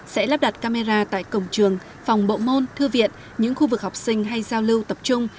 sẽ lắp đặt camera tại cổng trường phòng bộ môn thư viện những khu vực học sinh hay giao lưu tập trung